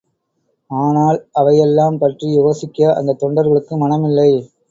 ஆனால் அவைகளையெல்லாம் பற்றி யோசிக்க அந்தத் தொண்டர்களுக்கு மனமில்லை.